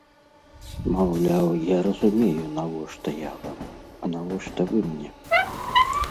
Маўляў, я разумею, навошта я вам, а навошта вы мне?